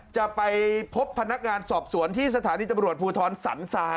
จะไปพบพนักงานสอบสวนที่สถานีตำรวจภูทรสันทราย